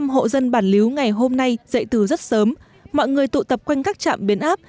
sáu mươi năm hộ dân bàn líu ngày hôm nay dậy từ rất sớm mọi người tụ tập quanh các trạm biến áp